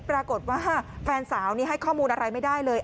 ปรากฏว่าแฟนสาวนี่ให้ข้อมูลอะไรไม่ได้เลย